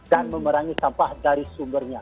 dan memerangi sampah dari sumbernya